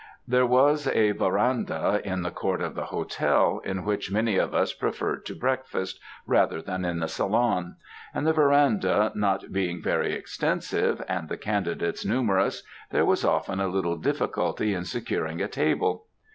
There was a verandah in the court of the hotel, in which many of us preferred to breakfast, rather than in the salon; and the verandah not being very extensive, and the candidates numerous, there was often a little difficulty in securing a table.